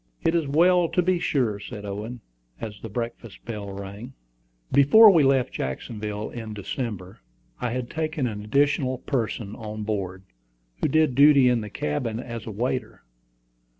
"It is well to be sure," said Owen, as the breakfast bell rang. Before we left Jacksonville in December, I had taken an additional person on board, who did duty in the cabin as a waiter.